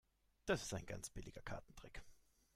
Das ist ein ganz billiger Kartentrick.